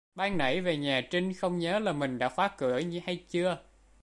Ban nãy về nhà trinh không nhớ là mình đã khóa cửa hay chưa